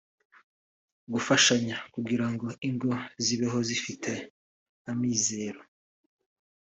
gufashanya kugira ngo ingo zibeho zifite amizero